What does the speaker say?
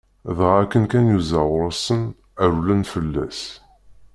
Dɣa akken kan yuẓa ɣur-sen rewlen fell-as.